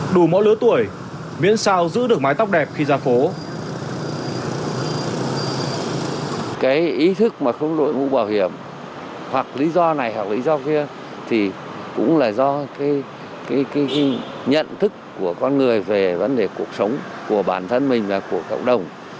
đủ mỗi lứa tuổi miễn sao giữ được mái tóc đẹp khi ra phố